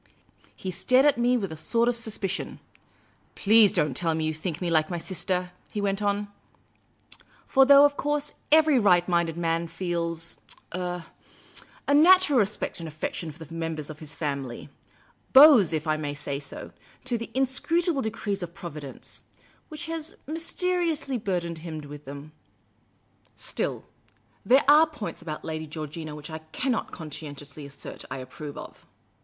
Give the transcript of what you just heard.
He stared at me with a sort of suspicion. " Please don't tell me that you think me like my sister," he went on. For though, of course, every right minded man feels — ur — a natural respect and affection for the members of his family — bows, if I may so say, to the inscrutable decrees of Provi dence — which has mysteriously burdened him with them — still, there are points about Lady Georgina which I cannot con.scientiously assert I approve of."